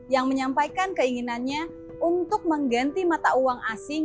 yang menyampaikan keinginannya untuk mengganti mata uang asing